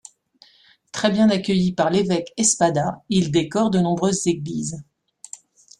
Très bien accueilli par l’évêque Espada, il décore de nombreuses églises.